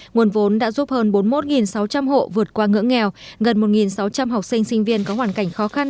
nguồn vốn đã giúp hơn bốn mươi một sáu trăm linh hộ vượt qua ngưỡng nghèo gần một sáu trăm linh học sinh sinh viên có hoàn cảnh khó khăn